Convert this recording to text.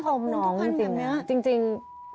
ขอบคุณทุกคันจริง